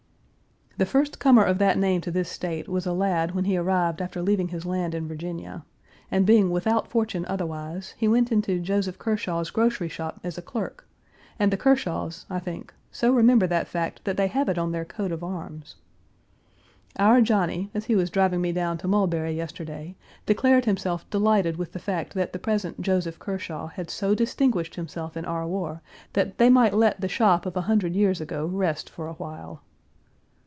The first comer of that name to this State was a lad when he arrived after leaving his land in Virginia; and being without fortune otherwise, he went into Joseph Kershaw's grocery shop as a clerk, and the Kershaws, I think, so remember that fact that they have it on their coat of arms. Our Johnny, as he was driving me down to Mulberry yesterday, declared himself delighted with the fact that the present Joseph Kershaw had so distinguished himself in our war, that they might let the shop of a hundred years ago rest for a while.